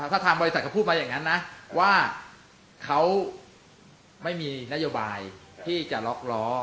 ถ้าทางบริษัทเขาพูดมาอย่างนั้นนะว่าเขาไม่มีนโยบายที่จะล็อกล้อ